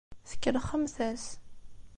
Tkellxemt-as.